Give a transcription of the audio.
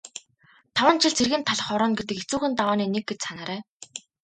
Таван жил цэргийн талх хорооно гэдэг хэцүүхэн давааны нэг гэж санаарай.